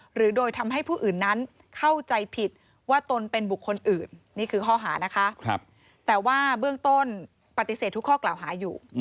หรือโดยทำให้ผู้อื่นนั้นเข้าใจผิดว่าตนเป็นบุคคลอื่นนี่คือข้อหานะคะแต่ว่าเบื้องต้นปฏิเสธทุกข้อกล่าวหาอยู่